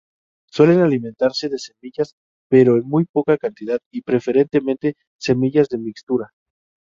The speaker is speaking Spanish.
Suelen alimentarse de semillas pero en muy poca cantidad y preferentemente semillas de mixtura.